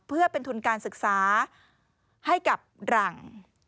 เพื่อเป็นทุนการศึกษาให้กับหลัง